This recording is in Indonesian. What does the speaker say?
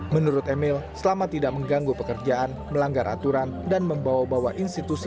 menurut emil selama tidak mengganggu pekerjaan melanggar aturan dan membawa bawa institusi